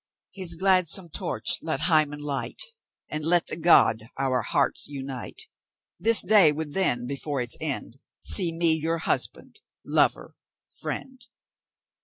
His gladsome torch let Hymen light, And let the god our hearts unite! This day would then before its end, See me your husband, lover, friend.